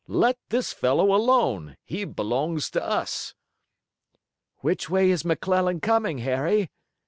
Let this fellow alone. He belongs to us.'" "Which way is McClellan coming, Harry?"